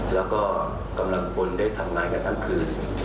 แล้วก็กำลังพลได้ทำงานกันทั้งคืน